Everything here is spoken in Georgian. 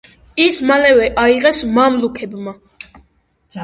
ის მალევე აიღეს მამლუქებმა.